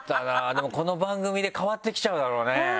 でもこの番組で変わってきちゃうだろうね。